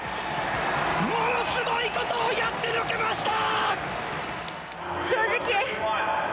ものすごいことをやってのけました！